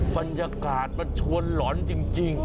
บรรยากาศมันชวนหลอนจริง